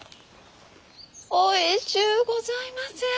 おいしゅうございます！